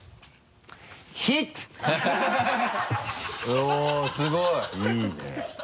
おぉすごい！いいね。